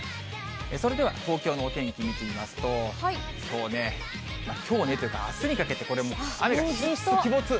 それでは、東京のお天気見てみますと、きょうね、きょうねっていうか、あすにかけてこれもう、雨が神出鬼没。